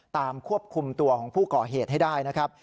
ควบคุมตัวของผู้ก่อเหตุให้ได้นะครับ